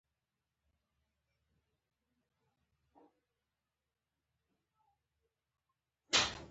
حکومت وروسته پرېکړه وکړه چې ډالري حسابونه پر پیزو بدل شي.